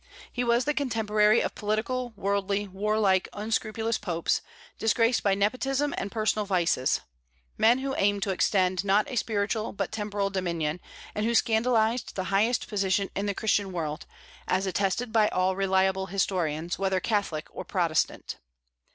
He was the contemporary of political, worldly, warlike, unscrupulous popes, disgraced by nepotism and personal vices, men who aimed to extend not a spiritual but temporal dominion, and who scandalized the highest position in the Christian world, as attested by all reliable historians, whether Catholic or Protestant.